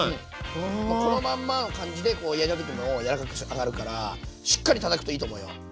このまんまの感じで柔らかく仕上がるからしっかりたたくといいと思うよ。